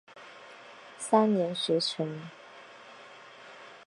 三年学成。